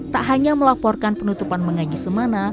tak hanya melaporkan penutupan mengaji semana